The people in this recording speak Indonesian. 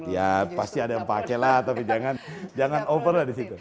ya pasti ada yang pakai lah tapi jangan over lah di situ